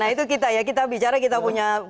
nah itu kita ya kita bicara kita punya